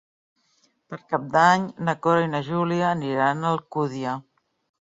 Per Cap d'Any na Cora i na Júlia aniran a Alcúdia.